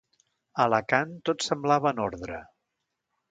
A Alacant tot semblava en ordre.